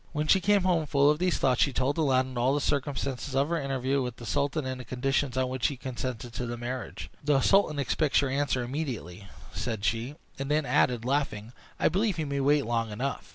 When she came home, full of these thoughts, she told Aladdin all the circumstances of her interview with the sultan, and the conditions on which he consented to the marriage. "The sultan expects your answer immediately," said she; and then added, laughing, "I believe he may wait long enough!"